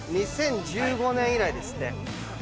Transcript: ２０１５年以来ですって。